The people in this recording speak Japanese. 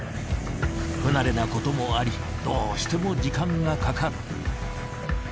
不慣れなこともありどうしても時間がかかる。